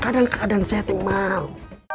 kadang kadang saya tak mau